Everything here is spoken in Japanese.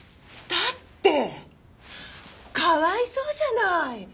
だってかわいそうじゃない。